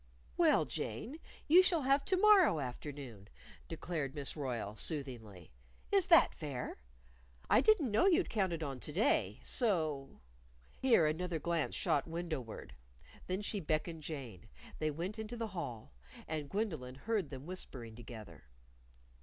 "Well, Jane, you shall have to morrow afternoon," declared Miss Royle, soothingly. "Is that fair? I didn't know you'd counted on to day. So " Here another glance shot window ward. Then she beckoned Jane. They went into the hall. And Gwendolyn heard them whispering together.